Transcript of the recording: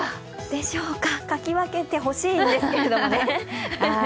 でしょうかかき分けてほしいんですけどね。